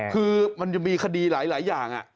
คือมันยังมีคดีหลายหลายอย่างอ่ะ